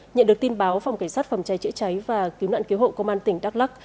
nhận được tin báo phòng cảnh sát phòng cháy chữa cháy và cứu nạn cứu hộ công an tỉnh đắk lắc